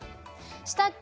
したっけ